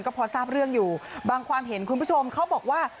ก็พอทราบเรื่องอยู่บางความเห็นคุณผู้ชมเขาบอกว่า